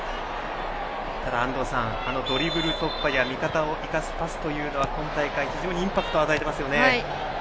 ただ安藤さん、ドリブル突破や味方を生かすパスというのは今大会、非常にインパクトを与えていますよね。